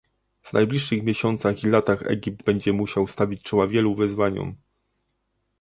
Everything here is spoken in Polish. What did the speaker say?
W najbliższych miesiącach i latach Egipt będzie musiał stawić czoła wielu wyzwaniom